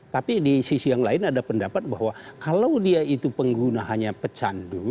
tapi di sisi yang lain ada pendapat bahwa kalau dia itu penggunaannya pecandu